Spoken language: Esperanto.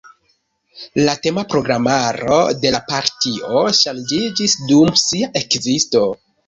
La tema programaro de la partio ŝanĝiĝis dum sia ekzisto.